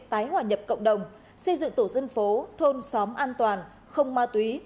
tái hòa nhập cộng đồng xây dựng tổ dân phố thôn xóm an toàn không ma túy